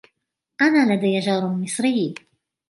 أنا لدي جار مصري.